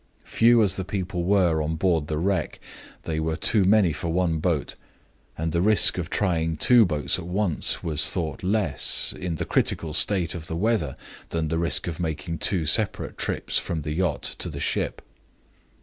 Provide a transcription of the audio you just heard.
Few as the people were on board the wreck, they were too many for one boat, and the risk of trying two boats at once was thought less, in the critical state of the weather, than the risk of making two separate trips from the yacht to the ship.